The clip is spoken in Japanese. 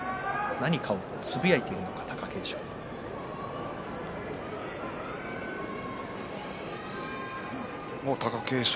何かをつぶやいているのか貴景勝。